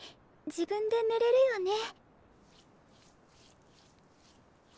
自分で塗れるよね。